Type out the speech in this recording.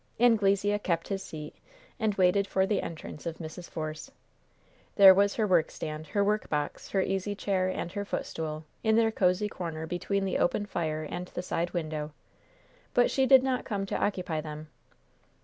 Anglesea kept his seat, and waited for the entrance of Mrs. Force. There was her workstand, her workbox, her easy chair and her footstool, in their cozy corner between the open fire and the side window, but she did not come to occupy them.